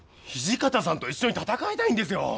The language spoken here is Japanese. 土方さんと一緒に戦いたいんですよ！